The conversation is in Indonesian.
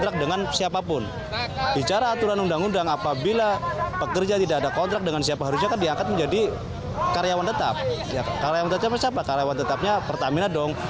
karyawan tetap karyawan tetapnya siapa karyawan tetapnya pertamina dong